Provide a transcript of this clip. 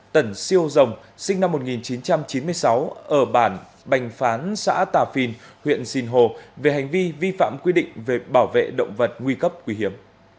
tần siêu rồng sinh năm một nghìn chín trăm chín mươi sáu ở bản bành phán xã tà phìn huyện sinh hồ về hành vi vi phạm quy định về bảo vệ động vật nguy cấp quý hiếm